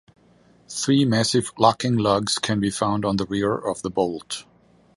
Three massive locking lugs can be found on the rear of the bolt.